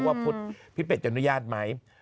พี่เป็ดจะอนุญาตไหม